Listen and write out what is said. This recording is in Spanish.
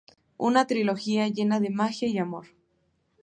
Una trilogía llena de magia y amor.